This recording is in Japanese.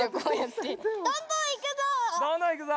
どんどんいくぞ！